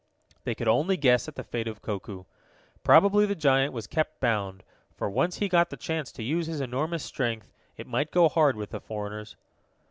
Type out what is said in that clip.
They could only guess at the fate of Koku. Probably the giant was kept bound, for once he got the chance to use his enormous strength it might go hard with the foreigners.